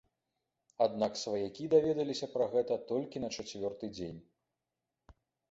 Аднак сваякі даведаліся пра гэта толькі на чацвёрты дзень.